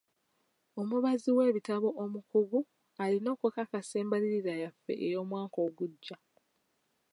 Omubazi w'ebitabo omukugu alina okukakasa embalirira yaffe ey'omwaka ogujja.